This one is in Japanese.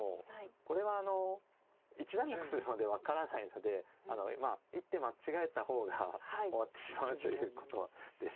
これは一段落するまで分からないのでまあ１手間違えた方が終わってしまうということです。